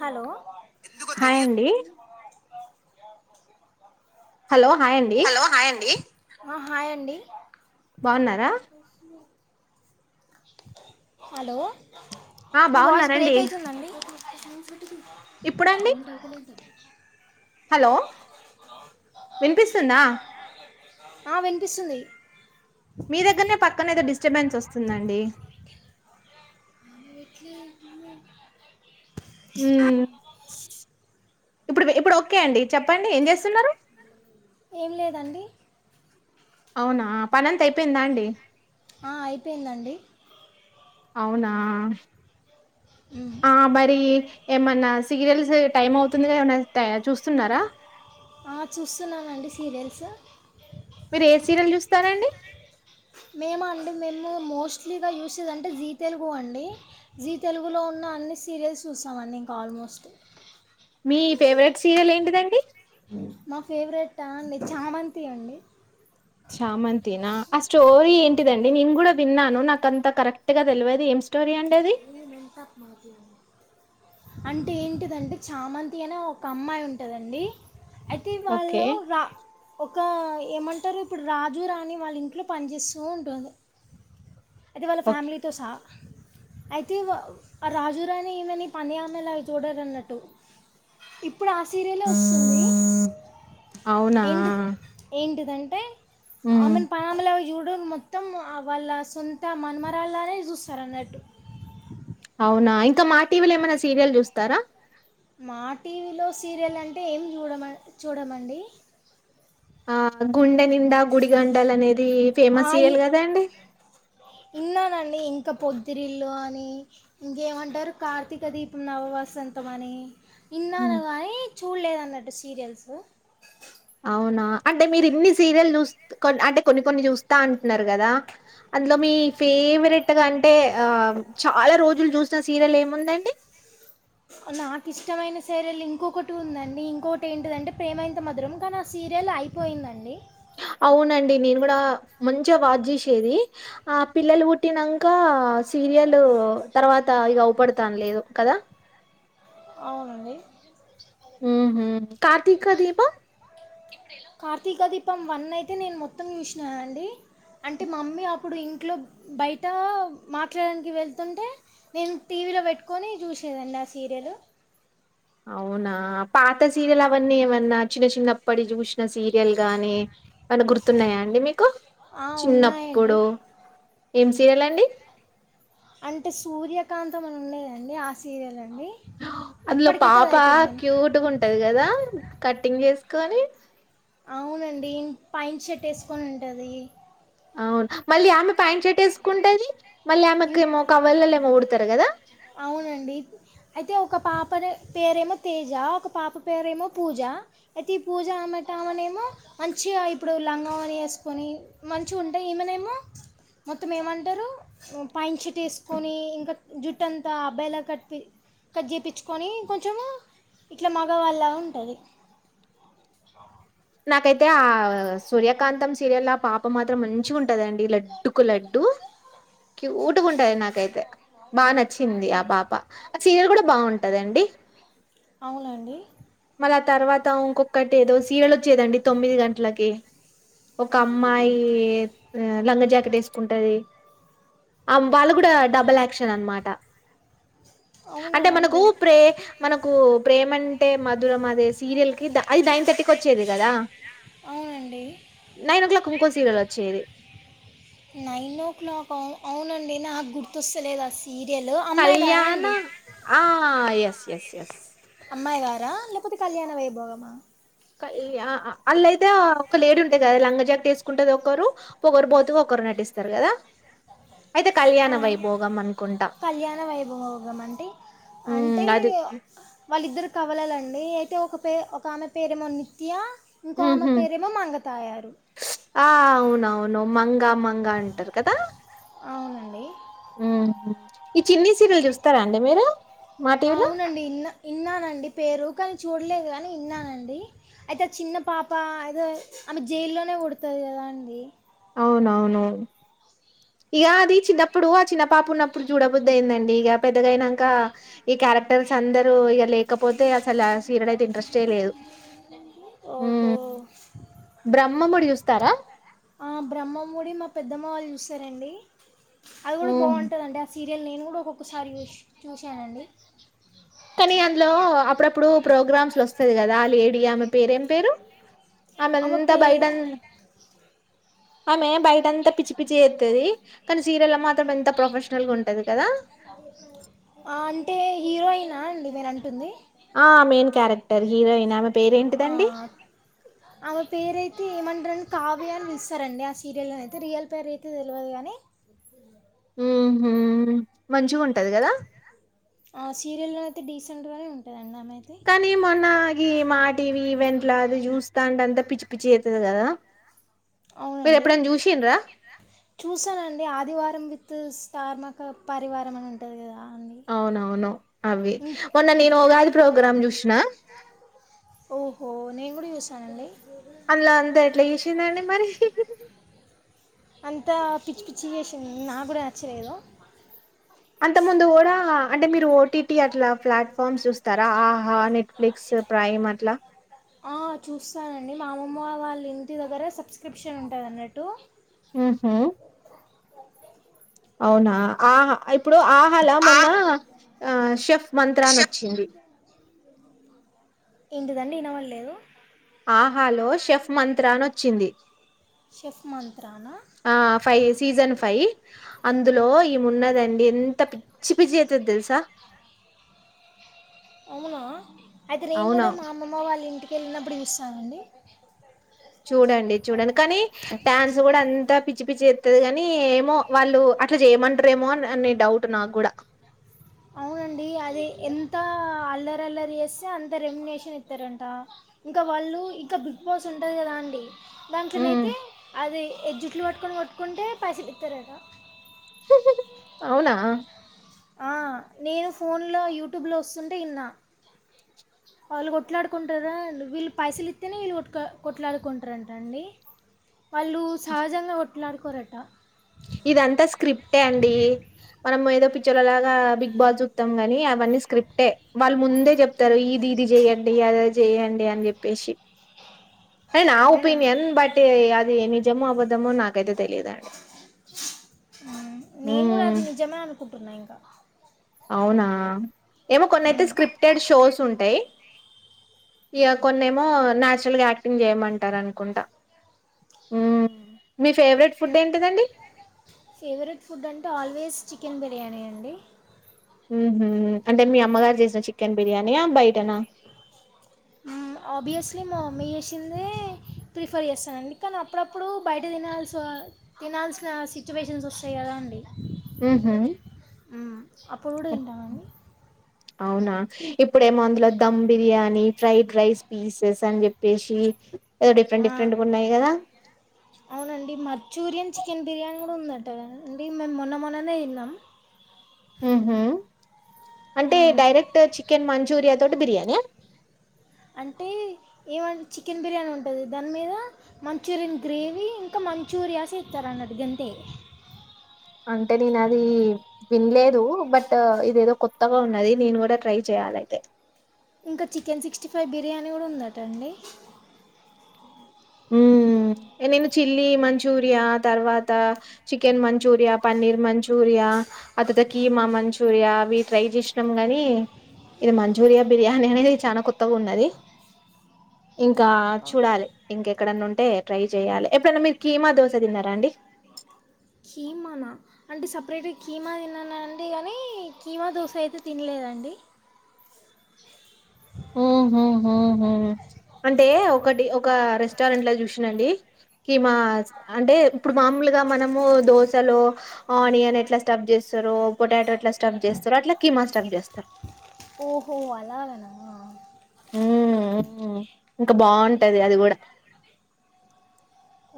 Hello హాయ్ండి hello hi అండి hello hi అండి హ హాయ్ అండి బావున్నారా హలో ఆ బాగున్నరంండి కజిన్స్ సలేపో [unintelligible] హలో వినిపిస్తుందా ఆ వినిపిస్తుంది మీ దగ్గర్నే పక్కనే ఏదో డిస్టర్బెన్స్ వస్తుందండి ఇ [unintelligible] ఉమ్ ఇప్పుడు ఇప్పుడు ఓకే అండి చెప్పండి ఏం చేస్తున్నారు ఏం లేదండి అవునా పనంత అయిపోయిందా అండి ఆ అయిపోయిందండి అవునా ఉమ్ ఆ బరి ఏమైన్నా సీరియల్స్ టైమ్ అవుతుంది ఏమన్నా చూస్తున్నారా ఆ చూస్తున్నానండి సీరియల్స్ మీరు ఏ సీరియల్ చూస్తారాండి మేము అండి మేము మోస్ట్లీగా యూస్ చేసిటే జీ తెలుగు అండి జీ తెలుగులో ఉన్న అన్ని సీరియల్స్ చూస్తామ అండి ఇంకా ఆల్మోస్ట్ మీ ఫేవరెట్ సీరియల్ ఏంటిదండి మా ఫేవరెట్ అండి చామంతి అండి చామంతినా ఆ స్టోరీ ఏంటిదండి నేను కూడా విన్నాను నాక అంత కరెక్ట్ గా తెలియదు ఏం స్టోరీ అండి అది ఏ మంతంతప్ మాత అంటే ఏంటిదంటే చామంతి అనే ఒక అమ్మాయి ఉంటదండి అయితే ఓకే వాళ్ళు రా ఒక ఏమంటారు ఇప్పుడు రాజు రాణి వాళ్ళ ఇంట్లో పనిచేస్తూ ఉంటారు అతే వాళ్ళ ఓకే ఫ్యామిలీతో సహ అయితే రాజు రాని ఏమని పని ఆమెలా చూడరు అన్నట్టు ఇప్పుడు ఆ సీరియలే వస్తుంది అవునా అదంటే హ్మ్. అమెన్ పనయముల చూడం మత్త మొత్తం ఆ వాళ్ళ సొంత మనమరాలానే చూస్తారు అన్నట్టు అవునా ఇంకా మా టీవీలో ఏమైనా సీరియల్ చూస్తారా మా టీవీలో సీరియల్ అంటే ఏం చూడమ చూడమండి ఆ గుండెని నిండా గుడి గంటలు అనేది ఆ ఫేమస్ సీరియల్ ఈ కదా అండి విన్నానండి ఇంకా పొద్దిరిల్ళు అని ఇంకేమంటారు కార్తీక దీపం నవవాసంతం అని ఇన్నాను హ్మ్. గాని చూడలేదు అన్నట్టు సీరియల్స్ అవునా అంటే మీరు ఇన్ని సీరియల్ చూ అంటే కొన్ని కొన్ని చూస్తా అంటున్నారు కదా అందులో మీ ఫేవరెట్గా అంటే చాలా రోజులు చూసిన సీరియల్ ఏముందండి నాకు ఇష్టమైన సీరియల్ ఇంకొకటి ఉందండి ఇంకొకటి ఏంటిదంటే ప్రేమైనంత మధురం కానీ ఆ సీరియల్ అయిపోయిందండి అవునండి నేను కూడా మంచిగా బాజ చూసేది ఆ పిల్లలు పుట్టినాక సీరియల్ తర్వాత ఇక అవపడతాను లేదు కదా అవునండి ఉహా కార్తీకదీపం కార్తీక దీపం వన్ అయితే నేను మొత్తం చూసినానండి అంటే మమ్మీ అప్పుడు ఇంట్లో బయట మాట్లాడడానికి వెళ్తుంటే నేను టీవీలో పెట్టుకొని చూసేదాన్ని ఆ సీరియలు అవునా పాత సీరియల్ అవన్నీ ఏమన్నా చిన్న చిన్న అప్పటిష్ చూషి సీరియల్ గానీ అను గుర్తున్నాయా అండి మీకు ఆ, ఉన్నాయండి చిన్నప్పుడు ఏం సీరియల్ అండి అంటే సూర్యకాంతం అని ఉండదండి ఆ సీరియల్ అండి అందులో ఇప్పటికైతే అది పాప అయిపోయిందండి క్యూట్గా ఉంటది కదా కట్టింగ్ చేసుకోని అవునండి పాంట్ షేర్ట్ వేసుకొని ఉంటుది అవును మళ్ళీ ఆమె ప్యాంట్ షేర్ట్ వేసుకుంటది మళ్ళీ ఆమెకేమో కవర్లలేమో కుడతారు కదా అవునండి అయితే ఒక పాప దే పేరేమో తేజ ఒక పాప పేరేమో పూజ అయితే ఈ పూజ అమట ఆమనేమో మంచిగా ఇప్పుడు లంగం అని వేసుకొని మంచిగా ఉంటాయి ఈమనేమో మొత్తం ఏమంటారు పాం యింట్ వేసుకొని ఇంకా జుట్టు అంతా అబ్బాయిలా కట్పి కట్ చేయించుకొని కొంచెం ఇట్లా మగవల్ల ఉంటది నాకైతే ఆ సూర్యకాంతం సీరియల్ ఆ పాప మాత్రం మంచిగా ఉంటందండి లడ్డుకు లడ్డు క్యూట్గా ఉంటంది నాకైతే బాగా నచ్చ వచ్చింది ఆ పాప ఆ సీరియల్ కూడా బాగుంటదండి అవునండి అ తర్వాత ఇంకొక్కటి ఏదో సిరియల్ వచ్చేదండి తొమ్మిది గంటలకి ఒక అమ్మాయి లంగ జాకెట్ వేసుకుంటది వాళ్ళ కూడా డబల్ యాక్షన్ అనమాట అవునా అంటే మనకు అండి ఊపరే మనకు ప్రేమ అంటే మధురం అదే సీరియల్ కి అది నైన్ థర్టీకి వచ్చ చేదు కదా అవునండి నైన్ ఓ క్లాక్ ఇంకోసీరియల్ వచ్చేది నైన్ ఓ క్లాక్ అవు అవునండి నాకు గుర్తొస్తలేదుాఅస సీరియలు అమ్మాయి గారా కళ్యాణ అండి ఆ ఎస్ ఎస్ ఎస్ అమ్మాయి గారా లేకపోతే కళ్యాణ వైభోగమా అల్లయితే ఒక లేడ ఉంటాయి కదా లంగా జాక్ట్ వేసుకుంటది ఒకరు ఒొక్కరు బోతుకు ఒకరు నటిస్తారు కదా అయితే కళ్యాణ వైభోగం అనుకుంటా కళ్యాణ వైభవోగం అంటే ఉమ్, అంటే అది వాళ్ళిద్దరి కవలలండి అయితే ఒక పేరు ఒక ఆమె పేరేమో నిత్య ఇంకో ఆమె పేరేమో మంగతాయారు ఆ అవునవును మంగ మ్మంగా అంటారు కదా అవునండి అ ఈ చిన్ని సీరియల్ చూస్తారా అండి మీరు మా టీవీలో అవునండి ఇన్న ఇన్నానండి పేరు కానీ చూడలేదు కాని విన్నానండి అయితే ఆ చిన్న పాప అయిదో ఆమె జైల్లోనే పుడుతది కదా అండి అవునవునువును ఇక అది చిన్నప్పుడు ఆ చిన్న పాపు ఉన్నప్పుడు చూడబొద్దుయిందండి ఇక పెద్దగాయినాక ఈ క్యారెక్టర్స్ అందరుూ ఇక లేక ఓహో ఉమ్. బ్రహ్మముడి చూస్తారా పెద్దమ్మా వాళ్ళు చూస్తారండి అది కూడా ఉమ్. బావుంటదండి ఆ సీ ఇ నేను కూడా ఒక్కొక్కసారి చూసి చూశానండి కానీ అందులో అప్పుడప్పుడు ప్రోగ్రామ్స్ వస్తుది కదా ఆ లేడి ఆమె పేరు ఏం పేరు ఆమె ఎంత బైడన్ ఆమె బయట అంత పిచ్చి చేతది కానీ చీరలు మాత్రం ఎంత ప్రొఫెషనల్ గా ఉంటది కదా ఆ అంటే హీరోయినా అండి మీరు అంటుంది ఆ మెయిన్ క్యారెక్టర్ హీరోయిన్ ఆమె ఆ పేరేంటిదండి ఆమె పేరైతే ఏమంటారని కావ్య అని పిలుస్తారు అండి ఆ సీరియల్ లో అయితే రియల్ పేర్ అయితే తెలివదు కానీ ఉ హు మంచిగా ఉంటది కదా ఆ సీరియల్ లో అయితే డీసెంట్ గానే ఉంటదండి కానీ మొన్నగి మాటివి ఈవెంట్ల అది చూస్తాం అంత పిచ్చి పిచ్చి చెత్తది కదా అవునండి చూసానండి ఆదివారం చు స్టార్ట్ మాక పరివారం అని ఉంటది కదా అండి అవునవును. అవి ఇం మొన్న ఇం- నేను ఉగాది ప్రోగ్రాం చూసిన ఓహో నేను కూడా చూసానండి ఎట్లా జేశిందండి మరి? అంతా పిచ్చి పిచ్చి చేసిది నా కూడా నచ్చలేదు అంత ముందు కూడా అంటే మీరు ఓటీటీ అట్లా ప్లాట్ఫామ్స్ చూస్తారా ఆహా నెట్ఫ్లిక్స్ ప్రైమ్ అట్లా ఆ చూస్తానండి మా అమ్మమ్మ వాళ్ళ ఇంటి దగ్గర సబ్స్క్రిప్షన్ ఉంటదన్నట్టు మ్ హు అవునా ఆ ఇప్పుడు ఆహలా మొన్న ఆ షెఫ్ మంత్రా అని వచ్చింది ఎంటిదండి వినబడలేదు ఆహాలో షెఫ్ మంత్రా అని వచ్చింది షెఫ్ మంత్రానా అ ఫై సీజన్ ఫైవ్ అందులో ఇమున్నదండి ఎంత పిచ్చి పిచ్చి చెత్తది తెల్సా అవునా అదయితేే నిను కూడా మా అమ్మ వాళ్ళ ఇంటికి వెళ్ళినప్పుడు చూస్త అనండి చూడండి చూడండి కానీ డ్యాన్స్ కూడా అంతా పిచ్చి పిచ్చి చె తది గాని ఏమో వాళ్ళు అట్లా చేయమంటరేమో అన్ అనే డౌట్ నాగ్గుడా అవునండి అది ఎంత అల్లరి అల్లరి చేస్తే అంత రెమినేషన్ ఇస్తారంట ఇంకా వాళ్ళు ఇంకా బిగ్ బాస్ ఉంటుంది కదా అండి హ్మ్. దాంట్లనైతే అది ఎ జుట్లు పట్టుకొని కొట్టుకుంటే పైసలిత్తరట అవునా ఆ నేను ఫోన్లో యూట్యూబ్లో వస్తుంటే ఇన్న వాళ్ళు కొట్లాడుకుంటారా వీళ్ళు పైసలు ఇతేనే వీళ్ళు కొట్ కొట్లాడుకుంటారంటండి వాళ్ళు సహజంగా కొట్లడు కొరంట ఇదంతా స్క్రిప్టే అండి మనం ఏదో పిచ్చోళ్ళలాగా బిగ్ బాస్ చూస్తాం గని అవన్నీ స్క్రిప్టే వాళ్ళు ముందే చెప్తారు ఇది ఇది చెయ్యడి అదిఅది చేయండి అని చెప్పి ప్పేశి అని నా అవునండి. ఒపీనియన్ బట్ అది నిజమో అబద్ద్దమో నాకైతే తెలీయదండి హు నిను కూడా అది నిజమే అ నుకుంటున్నా ఇంకా అవునా ఏమో కొన్నయితే హ్మ్. స్క్రిప్టెడ్ షోస్ ఉం టై ఇగ కొన్నిమో నాచురల్గా యాక్టింగ్ చేయమంటారు అనుకుంటా హు మీ ఫేవరెట్ ఫుడ్ ఏంటిదండి ఫేవరెట్ ఫుడ్ అంటే ఆల్వేస్ చికెన్ బిర్యానీ అండి మ్ హు అంటే మీ అమ్మగారు చేసిన చికెన్ బిర్యానియా బయటనా ఆబ్వియస్లీ మా మమ్మీ చేసిందే ప్రిఫర్ చేస్తానండి కానీ అప్పుడప్పుడు బయట తినాల్సి తినాల్సిన సిచ్యువేషన్స్ వస్తాయి కదా అండి మ్ హు మ్మ్ అప్పుడు కూడా [unintelligible] అవునా ఇప్పుడేమో అందులో dum biryani fried rice pieces అని చెప్పేసి ఏదో డిఫరెంట్ ఆ డిఫరెంట్ గా ఉన్నాయి కదా అవునండి మంచూరియన్ చికెన్ బిర్యానీ కూడా ఉందండి అంటేండి మేము మొన్న మొన్ననే ఇన్నాం హ హ అంటే మ్మ్. డైరెక్ట్ చికెన్ మంచూరియా దోడూ బిర్యానీయా అంటే ఏమంటే చికెన్ బిర్యానీ ఉంటుంది దాని మీద మంచూరియన్ గ్రేవీ ఇంకా మంచూరియాస్ ఎత్తరన్నట్టు గంతే అంటే నేను అది వినలేదు బట్ ఇదేదో కొత్తగా ఉన్నది నేను కూడా ట్రై చేయాలయితే ఇంకా చికెన్ సిక్స్టీ ఫైవ్ బిర్యానీ కూడా ఉందటండి హు నేను చిల్లీ మంచూరియా తర్వాత చికెన్ మంచూరియా పన్నీర్ మంచూరియా అ తర్ త కీమా మంచూరియా అవి ట్రై చేసినాం గనీ ఇది మంచూరియా బిర్యానీ అనేది చాలా కొత్తగా ఉన్నది ఇంకా మ్మ్. చూడాలి ఎక్కడన్నా ఉంటే ట్రై చెయ్యాలి ఎప్పుడైనా మీరు కీమా దోశ తిన్నారా అండి కీమానా అంటే సపరేట్గా కీమా తిన్నాను అంటే కానీ కీమా దోశ అయితే తినలేదండి అంటే ఒకటి ఒక రెస్టారెంట్ లో చూసినండి కిమా అంటే ఇప్పుడు మామూలుగా మనము దిశలో ఆనియన్ ఎట్లా స్టఫ్ చేస్తారో పొటాటో ఎట్లా స్టఫ్ చేస్తారో అట్లా కీమా స్టఫ్ చేస్తారు ఓహో! అలాగనా? ఉ ఇంకా బాగుంటది అది కూడా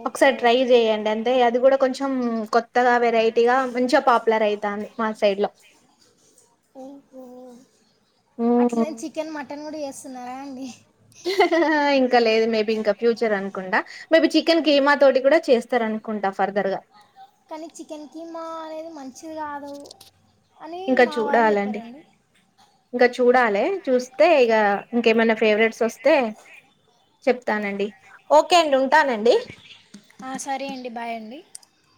ఓహో! ఒకసారి ట్రై చెయండి అంతే అది కూడా కొంచెం కొత్తగా వెరైటీగా మంచిగా పాపులర్ అయితంది మా సైడ్ లో ఓహ అట్లా నేను చికెన్ మటన్ కూడా చేస్త్ స్తున్నారా అండి ఇంకా ఇంకా లేదు మేబీ ఇంకా ఫ్యూచర్ అనుకుంటా మేబీ చికెన్ కీమా తోటి కూడా చేస్తార అనుకుంటా ఫర్దర్ గా కానీ చికెన్ కిమా అనేది మంచి మంచిది కాదు అని ఇంకా మా వాళ్ళు చెప్పారండి చూడాలి చూస్తే ఇక ఇంకేమైనా ఫేవరెట్స్ వస్తే చెప్తానండి ఓకే అండి ఉంటానండి సరే అండి